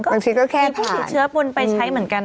บางทีก็แค่ผ่านมีพวกสิทธิ์เชื้อปุ่นไปใช้เหมือนกัน